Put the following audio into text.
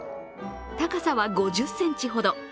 高さは５０ｃｍほど。